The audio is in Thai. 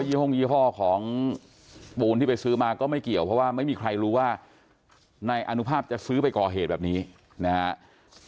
ี่ห้งยี่ห้อของปูนที่ไปซื้อมาก็ไม่เกี่ยวเพราะว่าไม่มีใครรู้ว่านายอนุภาพจะซื้อไปก่อเหตุแบบนี้นะครับ